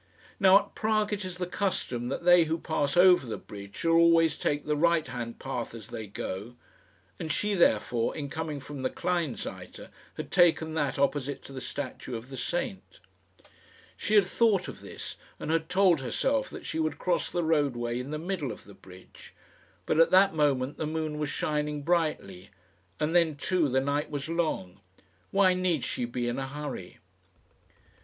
Now, at Prague it is the custom that they who pass over the bridge shall always take the right hand path as they go; and she, therefore, in coming from the Kleinseite, had taken that opposite to the statue of the saint. She had thought of this, and had told herself that she would cross the roadway in the middle of the bridge; but at that moment the moon was shining brightly: and then, too, the night was long. Why need she be in a hurry?